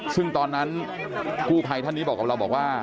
ซึ่งตอนนั้นกู้ภัยท่านนี้บอกกับเราบอกว่า